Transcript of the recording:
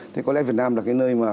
thế có lẽ việt nam là cái nơi mà